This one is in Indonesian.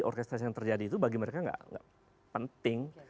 orkestrasi yang terjadi itu bagi mereka nggak penting